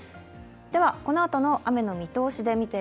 このあとの雨の見通し手す。